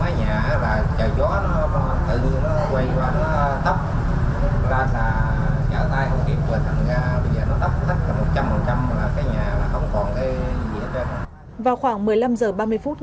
cái nhà trời gió nó tự nó quay qua nó tấp ra là trở tay không kịp của thằng gà bây giờ nó tấp một trăm linh là cái nhà nó không còn cái gì hết trơn